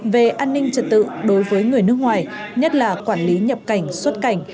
về an ninh trật tự đối với người nước ngoài nhất là quản lý nhập cảnh xuất cảnh